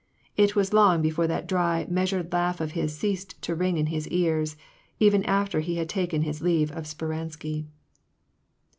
It was long before that dry, measured laugh of his ceased to ring in his ears, even after he had taken his leave of Speransky.